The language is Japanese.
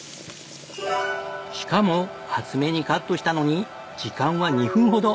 しかも厚めにカットしたのに時間は２分ほど。